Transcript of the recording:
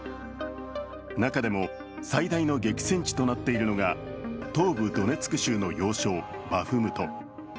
中でも最大の激戦地となっているのが東部ドネツク州の要衝・バフムト。